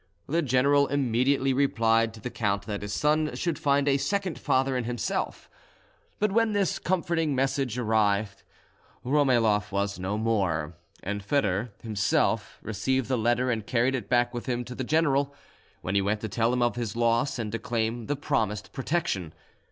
The general immediately replied to the count that his son should find a second father in himself; but when this comforting message arrived, Romayloff was no more, and Foedor himself received the letter and carried it back with him to the general, when he went to tell him of his loss and to claim the promised protection.